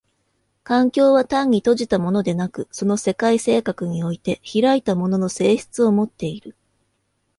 環境は単に閉じたものでなく、その世界性格において開いたものの性質をもっている。